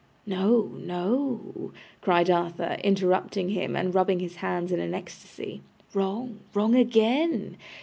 'No, No,' cried Arthur, interrupting him, and rubbing his hands in an ecstasy. 'Wrong, wrong again.